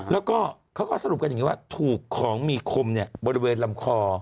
แล้วก็เขาก็สรุปกันอย่างนี้ว่าถูกของมีคมบริเวณลำคอ